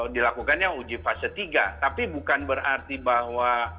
dilakukannya uji fase tiga tapi bukan berarti bahwa